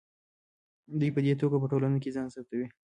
دوی په دې توګه په ټولنه کې ځان ثابتوي.